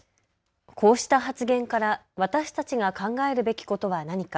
こうした発言から私たちが考えるべきことは何か。